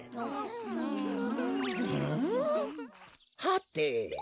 はて。